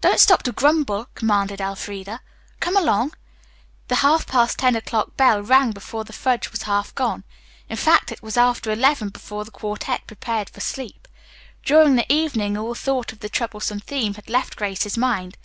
"Don't stop to grumble," commanded Elfreda. "Come along." The half past ten o'clock bell rang before the fudge was half gone. In fact, it was after eleven before the quartette prepared for sleep. During the evening all thought of the troublesome theme had left Grace's mind.